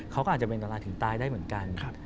เขาก็อาจจะเป็นดาราถึงตายได้เหมือนกัน